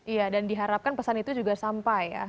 iya dan diharapkan pesan itu juga sampai ya